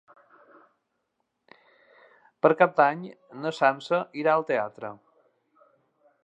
Per Cap d'Any na Sança irà al teatre.